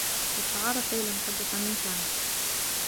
استعارت ليلى مسدّسا من سامي.